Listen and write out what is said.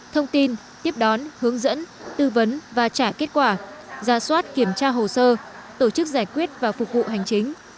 thông tin tiếp đón hướng dẫn tư vấn và trả kết quả ra soát kiểm tra hồ sơ tổ chức giải quyết và phục vụ hành chính